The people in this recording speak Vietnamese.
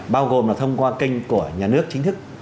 bao gồm là thông qua kênh của nhà nước chính thức